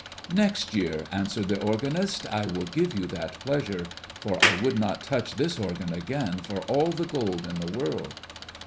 "Next year," answered the organist, "I will give you that pleasure, for I would not touch this organ again for all the gold in the world."